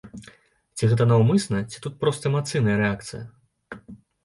Ці гэта наўмысна ці тут проста эмацыйная рэакцыя?